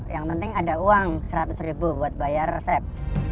yang penting ada uang seratus ribu buat bayar resep